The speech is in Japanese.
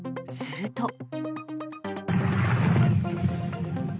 すると。